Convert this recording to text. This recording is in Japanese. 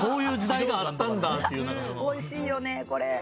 美味しいよねこれ。